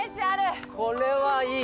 これはいい。